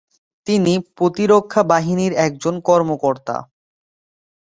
তিনি প্রতিরক্ষা বাহিনীর একজন কর্মকর্তা।